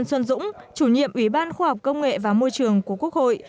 nguyễn xuân dũng chủ nhiệm ủy ban khoa học công nghệ và môi trường của quốc hội